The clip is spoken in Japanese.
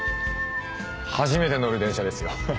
初めて乗る電車ですよ